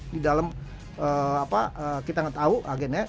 di dalam kita tahu agennya